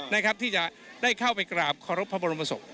นะครับที่จะได้เข้าไปกราบขอรบพระบรมศพ